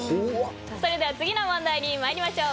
それでは次の問題に参りましょう。